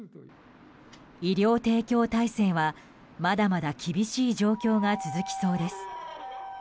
医療提供体制は、まだまだ厳しい状況が続きそうです。